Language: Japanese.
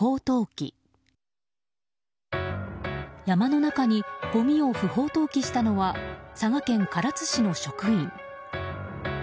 山の中にごみを不法投棄したのは佐賀県唐津市の職員。